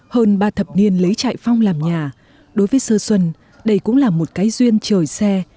hơn ba thập niên lấy trại phong làm nhà đối với sơ xuân đây cũng là một cái duyên trời xe